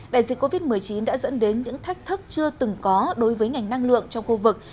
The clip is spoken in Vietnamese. đại dịch covid một mươi chín đã dẫn đến những thách thức chưa từng có đối với ngành năng lượng trong khu vực